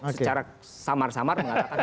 secara samar samar mengatakan